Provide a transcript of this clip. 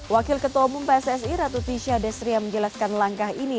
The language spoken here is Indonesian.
wakil ketua umum pssi ratu tisha destria menjelaskan langkah ini